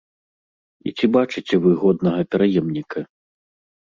І ці бачыце вы годнага пераемніка?